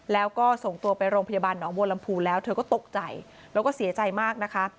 แล้วก็ส่งตัวไปโรงพยาบาลหนองบัวลำพูแล้วเธอก็ตกใจแล้วก็เสียใจมากนะคะ